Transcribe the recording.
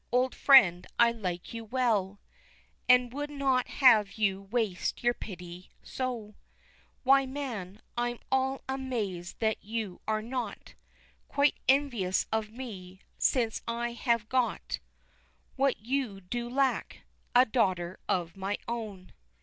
Old friend I like you well And would not have you waste your pity so; Why, man, I'm all amazed that you are not Quite envious of me, since I have got What you do lack a daughter of my own.